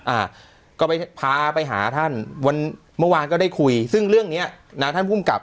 อ่าก็ไปพาไปหาท่านวันเมื่อวานก็ได้คุยซึ่งเรื่องเนี้ยนะท่านภูมิกับ